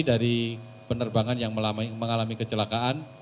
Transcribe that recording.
dari penerbangan yang mengalami kecelakaan